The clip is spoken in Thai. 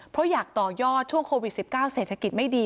เพราะอยากต่อยอดช่วงโควิด๑๙เศรษฐกิจไม่ดี